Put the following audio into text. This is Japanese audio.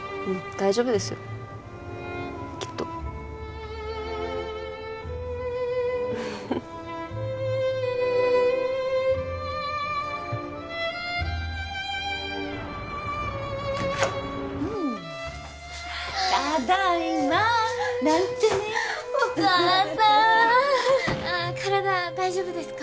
大丈夫ですよきっとただいまなんてねお母さんああ体大丈夫ですか？